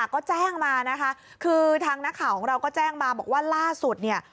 ก็แจ้งมานะคะคือทางนักข่าวของเราก็แจ้งมาบอกว่าล่าสุดเนี่ย